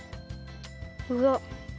うわっ